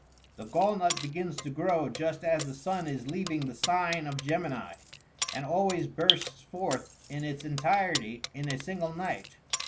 The gall nut begins to grow just as the sun is leaving the sign of Gemini,63 and always bursts forth in its entirety in a single night.